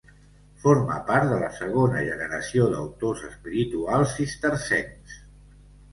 Forma part de la segona generació d'autors espirituals cistercencs.